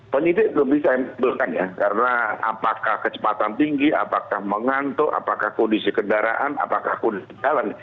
penyidik belum bisa empulkan ya karena apakah kecepatan tinggi apakah mengantuk apakah kondisi kendaraan apakah kondisi jalan